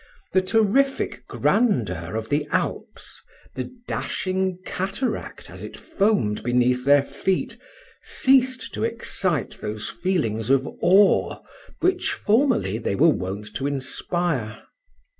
The terrific grandeur of the Alps, the dashing cataract, as it foamed beneath their feet, ceased to excite those feelings of awe which formerly they were wont to inspire.